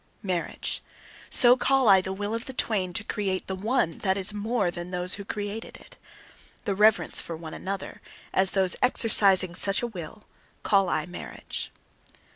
Marriage: so call I the will of the twain to create the one that is more than those who created it. The reverence for one another, as those exercising such a will, call I marriage.